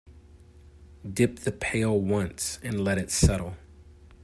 Dip the pail once and let it settle.